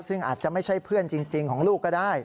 ซึ่งอาจจะไม่ใช่เพื่อนจริงของลูกก็ได้